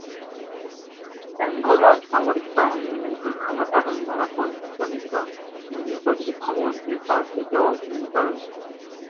অ্যাঙ্গোলার সামরিক বাহিনী একজন সেনাপ্রধান দ্বারা পরিচালিত, যিনি প্রতিরক্ষা মন্ত্রীর কাছে জবাবদিহি করেন।